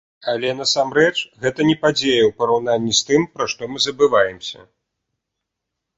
Але, насамрэч, гэта не падзея ў параўнанні з тым, пра што мы забываемся.